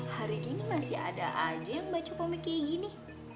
hari gini masih ada aja yang baca pome kayak gini